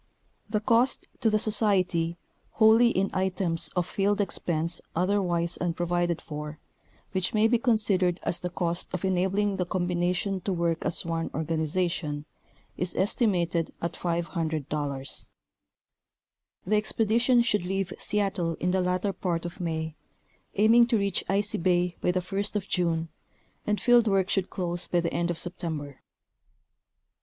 The cost to the Society, wholly in items of field expense other wise unprovided for, which may be considered as the cost of enabling the combination to work as one organization, is esti mated at 250 Report on Mxploration. in Alaska. The expedition should leave Seattle in the latter part of May, aiming to reach Icy bay by the first of June, and field work should close by the end of September.